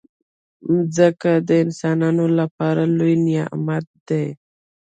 مځکه د انسانانو لپاره لوی نعمت دی.